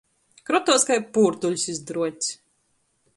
Krotuos kai pūrduļs iz druots.